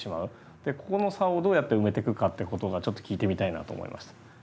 ここの差をどうやって埋めてくかってことがちょっと聞いてみたいなと思いました。